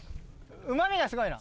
うまみがすごいの？